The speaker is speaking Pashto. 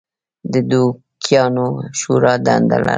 د دوکیانو شورا دنده لرله.